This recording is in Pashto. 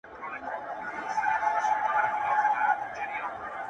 ځه خير دی تر سهاره به ه گوزاره وي”